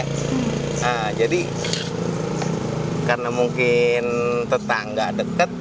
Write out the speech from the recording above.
nah jadi karena mungkin tetangga dekat